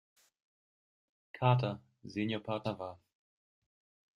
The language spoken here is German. Carter, Seniorpartner war.